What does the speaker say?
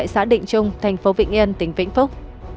xã định trung thành phố vĩnh yên tỉnh vĩnh phúc